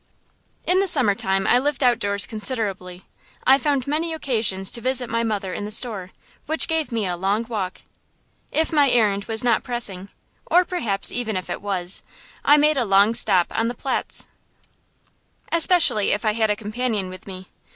In the summer time I lived outdoors considerably. I found many occasions to visit my mother in the store, which gave me a long walk. If my errand was not pressing or perhaps even if it was I made a long stop on the Platz, especially if I had a companion with me.